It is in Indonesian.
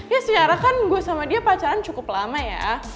ya siara kan gue sama dia pacaran cukup lama ya